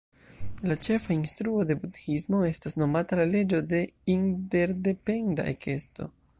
La ĉefa instruo de budhismo estas nomata "la leĝo de interdependa ekesto".